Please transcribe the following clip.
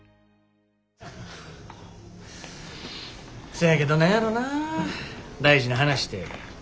そやけど何やろな大事な話て。